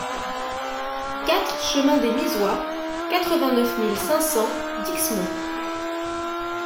quatre chemin des Misois, quatre-vingt-neuf mille cinq cents Dixmont